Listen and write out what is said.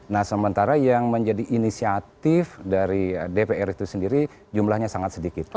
nah sementara yang menjadi inisiatif dari dpr itu sendiri jumlahnya sangat sedikit